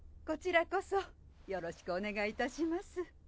こちらこそよろしくお願いいたします。